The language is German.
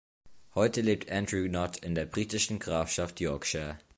Heute lebt Andrew Knott in der britischen Grafschaft Yorkshire.